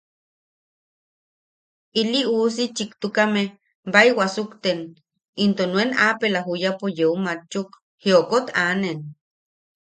Ii uusi chiktukame bai wasukten into nuen apela juyapo yeu makchuk jiokot aanen.